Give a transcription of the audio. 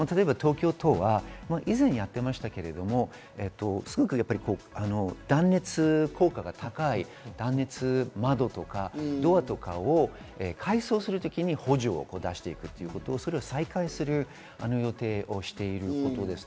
東京都は以前やってましたけど、断熱効果が高い断熱窓とかドアとかを改装する時に補助を出していくということを再開する予定をしていることです。